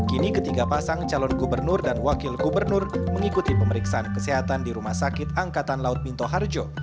kini ketiga pasang calon gubernur dan wakil gubernur mengikuti pemeriksaan kesehatan di rumah sakit angkatan laut minto harjo